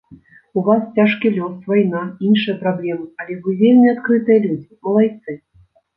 У вас цяжкі лёс, вайна, іншыя праблемы, але вы вельмі адкрытыя людзі, малайцы.